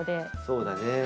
そうだね。